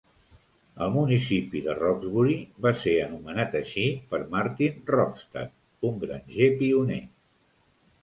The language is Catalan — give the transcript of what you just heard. El municipi de Rocksbury va ser anomenat així per Martin Rockstad, un granger pioner.